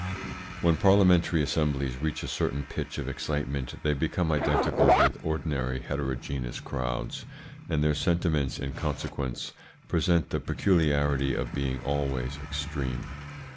When parliamentary assemblies reach a certain pitch of excitement they become identical with ordinary heterogeneous crowds, and their sentiments in consequence present the peculiarity of being always extreme.